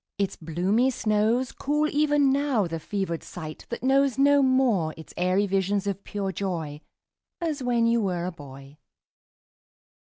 Its bloomy snows Cool even now the fevered sight that knows No more its airy visions of pure joy As when you were a boy.